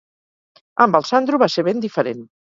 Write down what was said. Amb el Sandro va ser ben diferent.